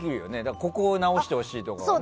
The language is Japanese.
ここを直してほしいとかはね。